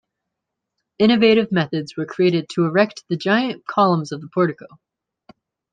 Innovative methods were created to erect the giant columns of the portico.